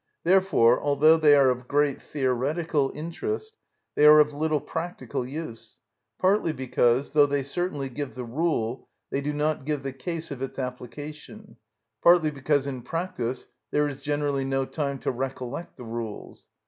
Therefore, although they are of great theoretical interest, they are of little practical use; partly because, though they certainly give the rule, they do not give the case of its application; partly because in practice there is generally no time to recollect the rules.